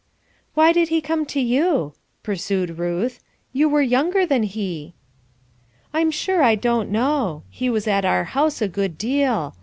"Why did he come to you?" pursued Ruth, "you were younger than he." "I'm sure I don't know. He was at our house a good deal.